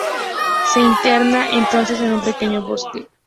Se interna entonces en un pequeño bosque.